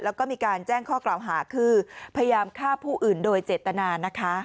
แล้วก็มีการแจ้งข้อกล่าวหาคือพยายามฆ่าผู้อื่นโดยเจตนานะคะ